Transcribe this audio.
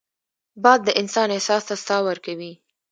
باد د انسان احساس ته ساه ورکوي